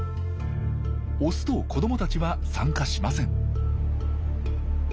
オスと子どもたちは参加しません。